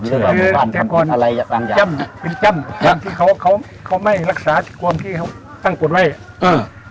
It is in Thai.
ชื่อว่าหมู่บ้านทำอะไรกันอย่างจำจำจำที่เขาเขาเขาไม่รักษาที่ความที่เขาตั้งกดไว้เออ